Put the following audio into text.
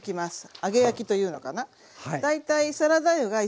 揚げ焼きというのかな。